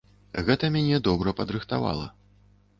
Гэта мяне добра падрыхтавала.